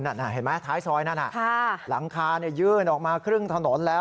เห็นไหมท้ายซอยนั่นหลังคายื่นออกมาครึ่งถนนแล้ว